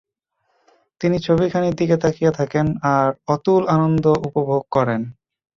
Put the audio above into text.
তিনি ছবিখানির দিকে চাহিয়া থাকেন, আর অতুল আনন্দ উপভোগ করেন।